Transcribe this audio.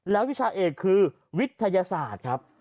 แล้ววิชาเอกคือวิทยาศาสตร์ครับ